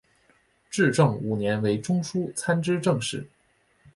至正五年为中书参知政事。